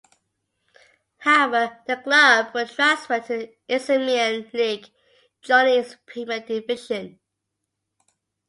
However, the club were transferred to the Isthmian League, joining its Premier Division.